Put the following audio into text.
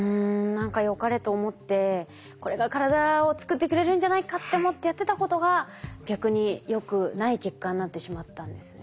何かよかれと思ってこれが体を作ってくれるんじゃないかって思ってやってたことが逆によくない結果になってしまったんですね。